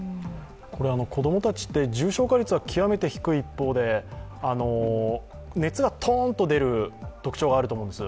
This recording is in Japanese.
子供たちって重症化率は極めて低い一方で熱がトーンと出る特徴があると思うんです。